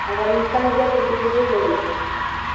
افغانستان زیاتې زلزلې لري.